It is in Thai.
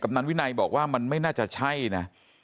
นายวินัยบอกว่ามันไม่น่าจะใช่นะ